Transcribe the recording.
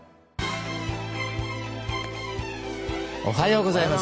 おはようございます。